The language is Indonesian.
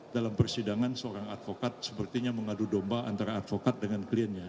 dalam persidangan seorang advokat sepertinya mengadu domba antara advokat dengan kliennya